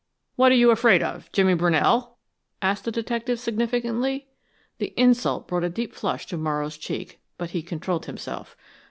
"What are you afraid of Jimmy Brunell?" asked the detective, significantly. The insult brought a deep flush to Morrow's cheek, but he controlled himself.